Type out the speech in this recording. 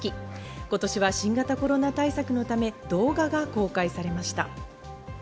今年は新型コロナ対策のため、動画が公開されました。